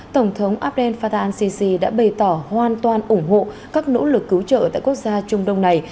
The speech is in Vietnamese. tổng thống abdel fattah sisi đã bày tỏ hoan toàn ủng hộ các nỗ lực cứu trợ tại quốc gia trung đông này